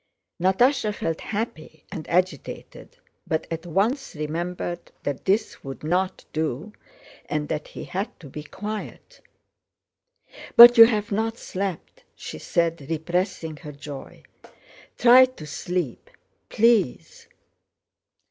Natásha felt happy and agitated, but at once remembered that this would not do and that he had to be quiet. "But you have not slept," she said, repressing her joy. "Try to sleep... please!"